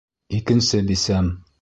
Икенсе бисәм!